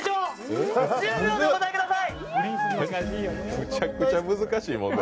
むちゃくちゃ難しい問題。